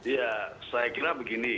ya saya kira begini